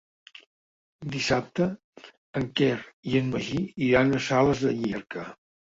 Dissabte en Quer i en Magí iran a Sales de Llierca.